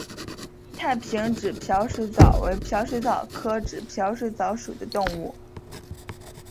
太平指镖水蚤为镖水蚤科指镖水蚤属的动物。